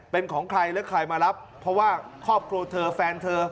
เป็นของใครและใครมารับเพราะว่าครอบครัวเธอแฟนเธอ